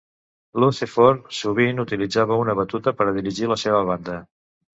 Lunceford sovint utilitzava una batuta per dirigir la seva banda.